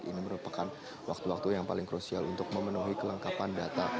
ini merupakan waktu waktu yang paling krusial untuk memenuhi kelengkapan data